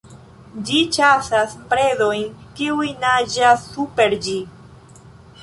Ĝi ĉasas predojn, kiuj naĝas super ĝi.